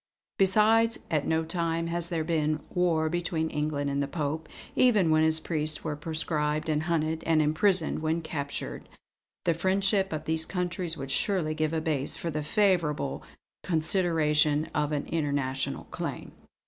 Besides, at no time has there been war between England and the Pope, even when his priests were proscribed and hunted, and imprisoned when captured. The friendship of these countries would surely give a base for the favourable consideration of an international claim.